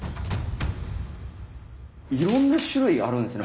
いろんな種類あるんですね。